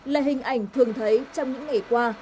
là hình ảnh thường thấy trong những ngày qua